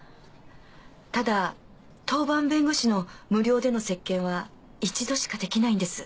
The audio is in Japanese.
ただ当番弁護士の無料での接見は一度しかできないんです。